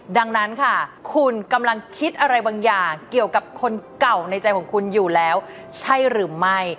ดังนั้นค่ะคุณกำลังคิดอะไรบางอย่างเกี่ยวกับคนเก่าในใจของคุณอยู่แล้วใช่หรือไม่